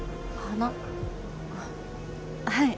あっはい。